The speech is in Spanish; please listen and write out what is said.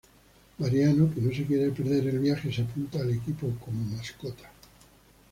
Mariano, que no se quiere perder el viaje, se apunta al equipo como mascota.